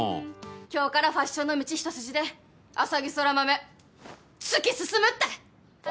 今日からファッションの道一筋で、浅葱空豆、突き進むったい！